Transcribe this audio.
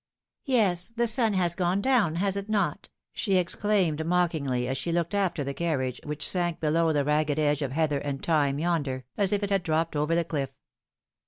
"Yes, the sun has gone down, has it not?" she exclaimed mockingly, as she looked after the carriage, which sank below the ragged edge of heather and thyme yonder, as if it had dropped over the cliff.